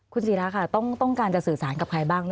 คุณศิราค่ะต้องการจะสื่อสารกับใครบ้าง